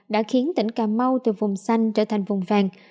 đã khiến tỉnh cà mau từ vùng xanh trở thành vùng vàng